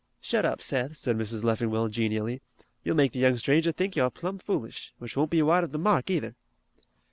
"Shut up, Seth," said Mrs. Leffingwell, genially, "you'll make the young stranger think you're plum' foolish, which won't be wide of the mark either."